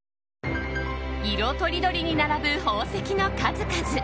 色とりどりに並ぶ宝石の数々。